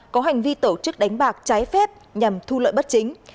có hành vi tổ chức đánh bạc trái phép nhằm thu lợi bất chính